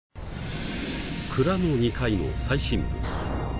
蔵の２階の最深部。